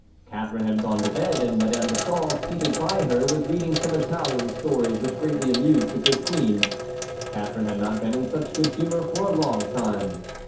Catharine had gone to bed, and Madame de Sauve, seated by her, was reading some Italian stories which greatly amused the good queen. Catharine had not been in such good humor for a long time.